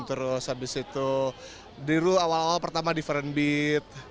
terus abis itu duru awal awal pertama different beat